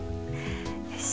よし。